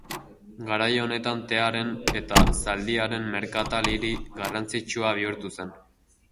Garai honetan tearen eta zaldiaren merkatal hiri garrantzitsua bihurtu zen.